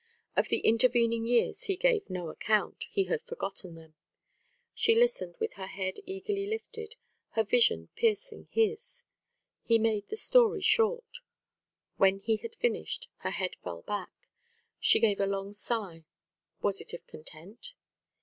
Of the intervening years he gave no account; he had forgotten them. She listened with her head eagerly lifted, her vision piercing his. He made the story short. When he had finished, her head fell back. She gave a long sigh. Was it of content?